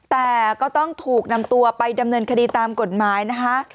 แต่ก็ต้องถูกนำตัวไปดำเนินคดีตามกฎหมายนะคะ